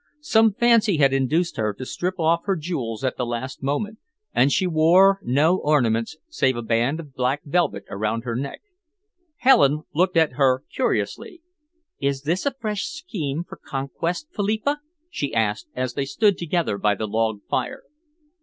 Some fancy had induced her to strip off her jewels at the last moment, and she wore no ornaments save a band of black velvet around her neck. Helen looked at her curiously. "Is this a fresh scheme for conquest, Philippa?" she asked, as they stood together by the log fire.